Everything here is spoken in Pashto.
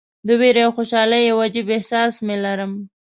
د ویرې او خوشالۍ یو عجیب احساس مې لرم.